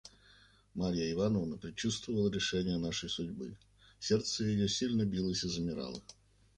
Марья Ивановна предчувствовала решение нашей судьбы; сердце ее сильно билось и замирало.